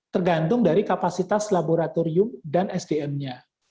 tergantung dari kapasitas laboratorium dan sdm nya